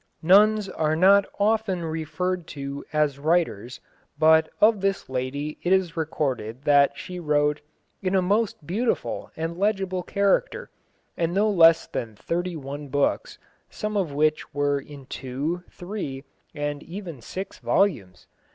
Nuns are not often referred to as writers, but of this lady it is recorded that she wrote "in a most beautiful and legible character" no less than thirty one books, some of which were in two, three, and even six volumes.